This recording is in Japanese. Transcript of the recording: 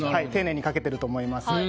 丁寧に描けてると思います。